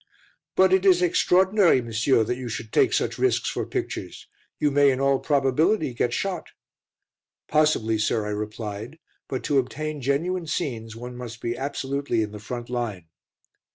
"But it is extraordinary, monsieur, that you should take such risks for pictures. You may in all probability get shot." "Possibly, sir," I replied, "but to obtain genuine scenes one must be absolutely in the front line."